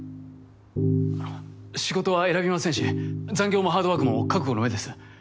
あの仕事は選びませんし残業もハードワークも覚悟のうえです。